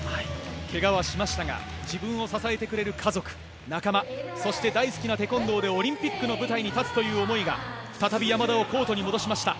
怪我はしましたが自分を支えてくれる家族、仲間そして、大好きなテコンドーでオリンピックの舞台に立つという思いが再び山田をコートに戻しました。